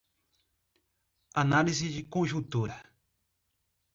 Análise de conjuntura